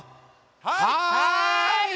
はい！